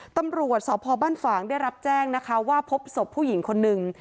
ตำรวจสพบ้านฝางได้รับแจ้งนะคะว่าพบศพผู้หญิงคนหนึ่ง